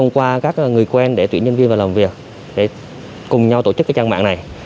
quyền để tuyển nhân viên vào làm việc để cùng nhau tổ chức trang mạng này